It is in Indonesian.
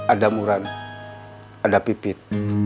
ada murad ada pipit